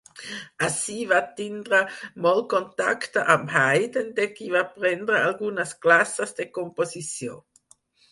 Ací va tindre molt contacte amb Haydn, de qui va prendre algunes classes de composició.